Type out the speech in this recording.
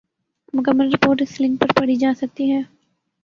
مکمل رپورٹ اس لنک پر پڑھی جا سکتی ہے ۔